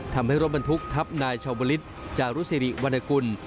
ทำให้รถบรรทุกทับนายชาวลิศจารุสิริวรรณกุล